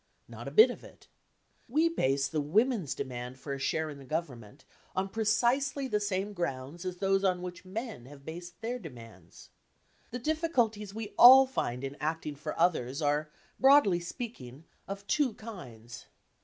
Not a bit of it. We base the women's demand for a share in government on precisely the same grounds as those on which men have based their demands. The difficulties we all find in acting for others are, broadly speaking, of two kinds.